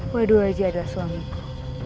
wadu aji adalah suamiku